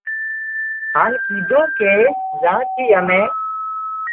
هانَ ڪيڌون ڪي زين ٿي امين